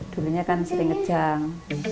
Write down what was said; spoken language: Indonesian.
dulunya kan sering kejang